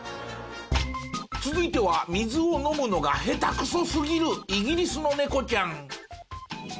続いては水を飲むのが下手くそすぎるイギリスの猫ちゃん。